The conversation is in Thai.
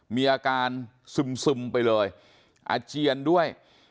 มีอาการซึมไปเลยอาเจียนด้วย